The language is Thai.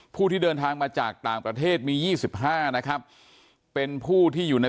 ผู้ที่เดินทางมาจากต่างประเทศมี๒๕นะครับเป็นผู้ที่อยู่ใน